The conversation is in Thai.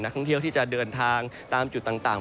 ท่องเที่ยวที่จะเดินทางตามจุดต่าง